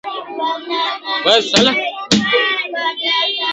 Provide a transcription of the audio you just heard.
د خلکو د میلمه پالنې کیسې یې ثبت کړې.